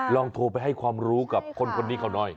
ลองโทรไปให้ความรู้กับคนนี้เขาหน่อย